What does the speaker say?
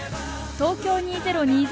東京２０２０